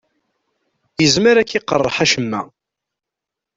Yezmer ad k-iqerreḥ acemma.